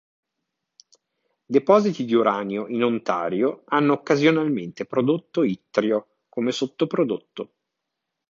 Depositi di uranio in Ontario hanno occasionalmente prodotto ittrio come sottoprodotto.